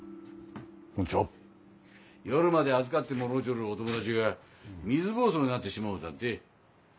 夜まで預かってもろうちょるお友達が水ぼうそうになってしもうたんて。